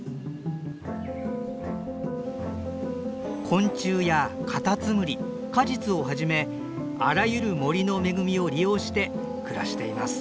昆虫やカタツムリ果実をはじめあらゆる森の恵みを利用して暮らしています。